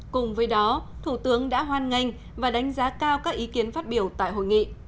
cùng với đó thủ tướng đã hoan nghênh và đánh giá cao các ý kiến phát biểu tại hội nghị